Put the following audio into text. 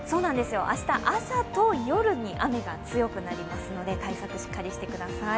明日、朝と夜に雨が強くなりますので、対策をしっかりしてください。